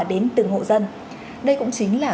đến từng hộ dân đây cũng chính là